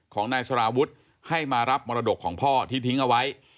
ของนายสารวุฒิให้มารับมรดกของพ่อที่ทิ้งเอาไว้